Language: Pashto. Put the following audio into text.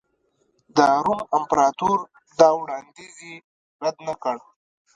د روم امپراتور دا وړاندیز یې رد نه کړ